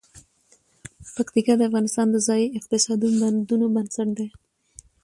پکتیکا د افغانستان د ځایي اقتصادونو بنسټ دی.